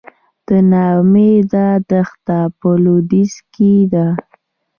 د نا امید دښته په لویدیځ کې ده